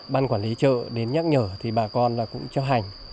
ban quản lý trợ đến nhắc nhở thì bà con cũng cho hành